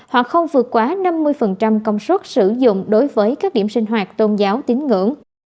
hoặc không vượt quá năm mươi công suất sử dụng đối với các điểm sinh hoạt tôn giáo tín ngưỡng